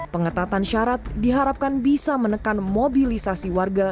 pengetatan syarat diharapkan bisa menekan mobilisasi warga